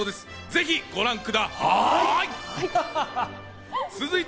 ぜひご覧くだはい！